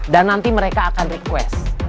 dan nanti mereka akan request